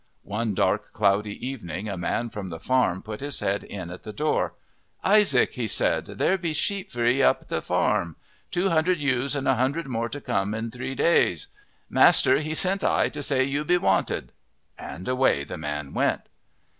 One dark cloudy evening a man from the farm put his head in at the door. "Isaac," he said, "there be sheep for 'ee up't the farm two hunderd ewes and a hunderd more to come in dree days. Master, he sent I to say you be wanted." And away the man went.